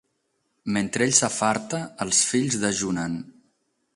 Mentre ell s'afarta, els fills dejunen.